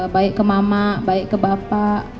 baik ke mama baik ke bapak